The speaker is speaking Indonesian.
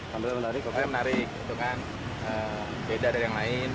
tampilannya menarik beda dari yang lain